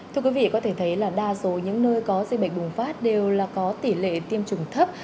thưa quý vị có thể thấy là đa số những nơi có dịch bệnh bùng phát đều là có tỷ lệ tiêm chủng thấp